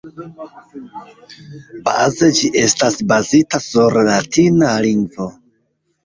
Baze ĝi estas bazita sur latina lingvo.